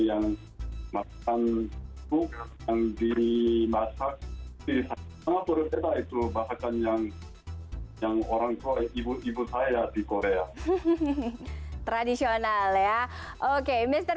yang dimasak itu bahkan yang yang orang orang ibu ibu saya di korea tradisional ya oke mister